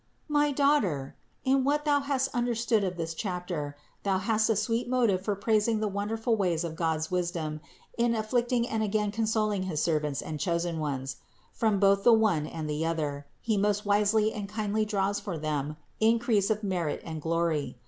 405. My daughter, in what thou hast understood of this chapter, thou hast a sweet motive for praising the wonderful ways of God's wisdom in afflicting and again consoling his servants and chosen ones; from both the one and the other, He most wisely and kindly draws for 330 CITY OF GOD them increase of merit and glory.